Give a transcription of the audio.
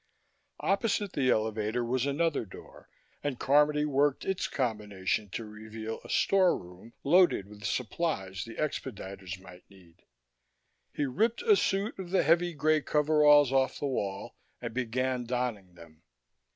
Opposite the elevator was another door, and Carmody worked its combination to reveal a storeroom, loaded with supplies the expediters might need. He ripped a suit of the heavy gray coveralls off the wall and began donning them.